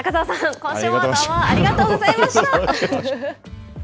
今週もどうもありがとうございました。